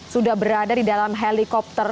sudah berada di dalam helikopter